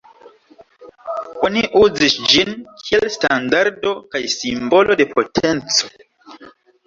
Oni uzis ĝin kiel standardo kaj simbolo de potenco.